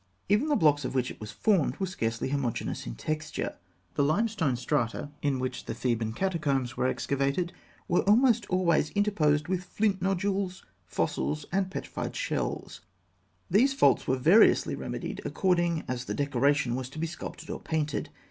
Even the blocks of which it was formed were scarcely homogeneous in texture. The limestone strata in which the Theban catacombs were excavated were almost always interspersed with flint nodules, fossils, and petrified shells. These faults were variously remedied according as the decoration was to be sculptured or painted.